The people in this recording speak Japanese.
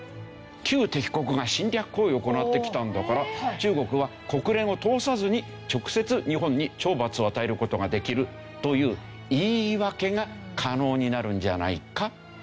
旧敵国が侵略行為を行ってきたんだから中国は国連を通さずに直接日本に懲罰を与える事ができるという。って事ですね。